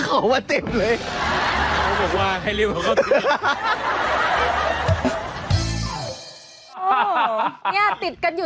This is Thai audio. ออกไม่ได้ออกไม่ได้